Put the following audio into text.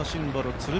鶴見